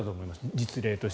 実例として。